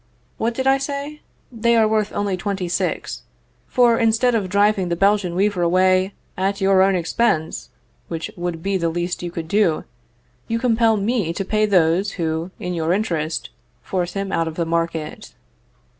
What did I say? They are worth only twenty six. For, instead of driving the Belgian weaver away at your own expense (which would be the least you could do) you compel me to pay those who, in your interest, force him out of the market.